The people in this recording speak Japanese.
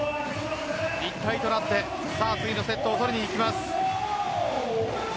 一体となって次のセットを取りに行きます。